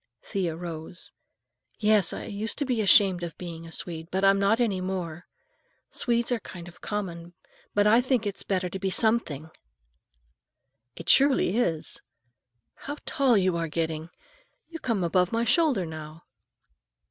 Thea rose. "Yes, I used to be ashamed of being a Swede, but I'm not any more. Swedes are kind of common, but I think it's better to be something." "It surely is! How tall you are getting. You come above my shoulder now."